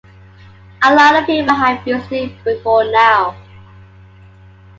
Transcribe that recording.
A lot of people have used it before now.